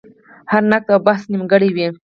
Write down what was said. هر نقد او بحث نیمګړی وي.